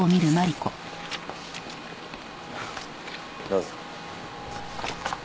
どうぞ。